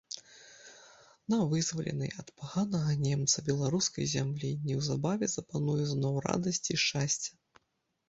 На вызваленай ад паганага немца беларускай зямлі неўзабаве запануе зноў радасць і шчасце.